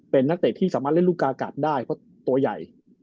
เป็นนักเตะที่เห็นลูกค้ากัดได้เพราะตัวใหญ่